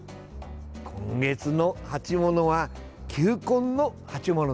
今月の鉢物は球根の鉢物です。